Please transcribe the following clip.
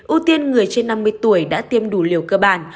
ưu tiên người trên năm mươi tuổi đã tiêm đủ liều cơ bản